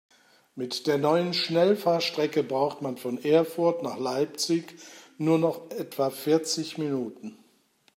Mit der neuen Schnellfahrstrecke braucht man von Erfurt nach Leipzig nur noch etwa vierzig Minuten